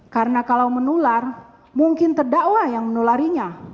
karena kalau menular mungkin terdakwa yang menularinya